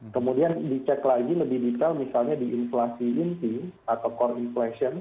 kemudian dicek lagi lebih detail misalnya di inflasi inti atau core inflation